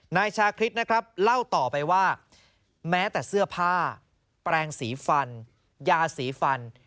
นายชาคริสนะครับเล่าต่อไปว่าแม้แต่เสื้อผ้าแปลงสีฟันยาสีฟัน